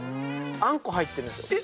あんこ入ってるんです。